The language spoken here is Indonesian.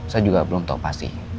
saya juga belum tahu pasti